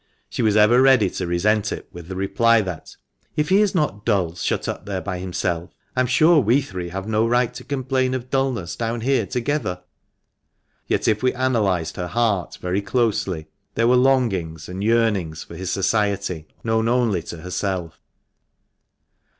She was ever ready to resent it with the reply that —" If he is not dull shut up there by himself, I am sure we three have no right to complain of dulness down here together ;" yet if we analysed her heart very closely there were longings and yearnings for his society known only to herself.